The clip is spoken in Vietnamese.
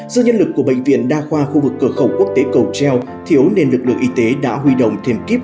do nhân lực của bệnh viện đa khoa khu vực cửa khẩu quốc tế cầu treo thiếu nên lực lượng y tế đã huy động thêm kiếp